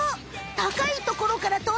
高いところからえっ？